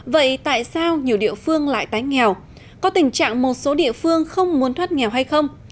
vậy tại sao nhiều địa phương lại tái nghèo có tình trạng một số địa phương không muốn thoát nghèo hay không